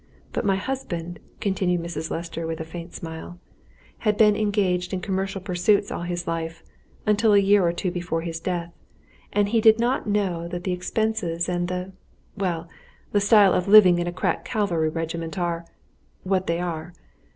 But my husband," continued Mrs. Lester, with a faint smile, "had been engaged in commercial pursuits all his life, until a year or two before his death, and he did not know that the expenses, and the well, the style of living in a crack cavalry regiment are what they are.